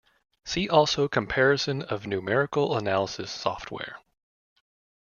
See also Comparison of numerical analysis software.